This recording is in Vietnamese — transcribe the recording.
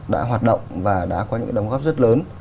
đã hoạt động và đã có những đóng góp rất lớn